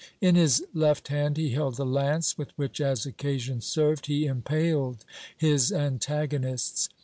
In his left hand he held a lance with which as occasion served he impaled his antagonists.